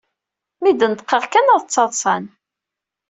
Mi d-neṭqeɣ kan ad ttaḍsan.